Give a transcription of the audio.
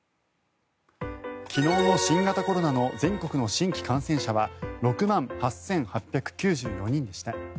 昨日の新型コロナの全国の新規感染者は６万８８９４人でした。